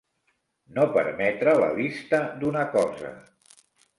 No permetre la vista d'una cosa.